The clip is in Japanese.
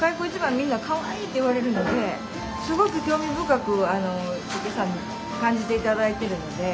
みんな「かわいい！」って言われるのですごく興味深くお客さんに感じて頂いてるので。